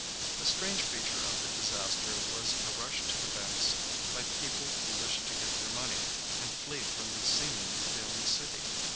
A strange feature of the disaster was a rush to the banks by people who wished to get their money and flee from the seemingly doomed city.